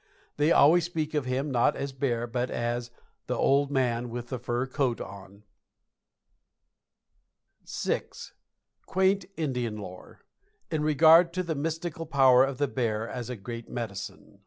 They always speak of him not as a bear, but as "the old man with the fur coat on." VI. QUAINT INDIAN LORE IN REGARD TO THE MYSTICAL POWER OF THE BEAR AS A GREAT MEDICINE.